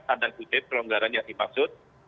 standar kutip kelonggaran yang dimaksud